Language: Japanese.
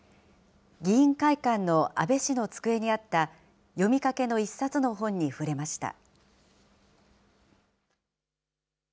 議員会館の安倍氏の机にあった読みかけの一冊の本に触れました。